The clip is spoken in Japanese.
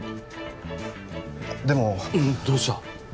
でもうんどうした？